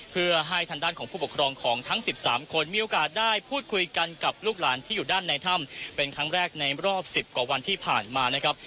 เพื่อให้ทางด้านของผู้ปกครองของทั้ง๑๓คนมีโอกาสได้พูดคุยกันกับลูกหลานที่อยู่ด้านในถ้ำเป็นครั้งแรกในรอบ๑๐กว่าวันที่ผ่านมานะครับ